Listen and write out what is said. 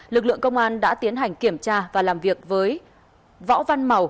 lực lượng công an đã tiến hành kiểm tra và làm việc với võ văn màu